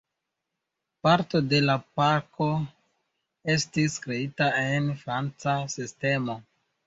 Parto de la parko estis kreita en franca sistemo.